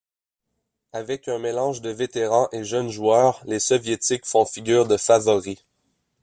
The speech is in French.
Avec un mélange de vétérans et jeunes joueurs, les Soviétiques font figure de favoris.